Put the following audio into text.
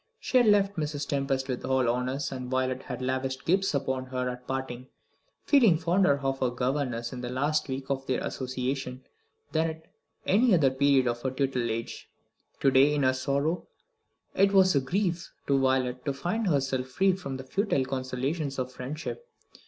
She had left Mrs. Tempest with all honours, and Violet had lavished gifts upon her at parting, feeling fonder of her governess in the last week of their association than at any other period of her tutelage. To day, in her sorrow, it was a relief to Violet to find herself free from the futile consolations of friendship.